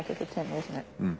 うん。